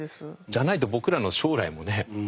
じゃないと僕らの将来もね